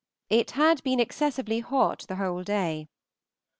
It had been excessively hot the whole day.